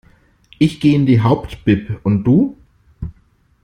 Ich geh in die Hauptbib, und du?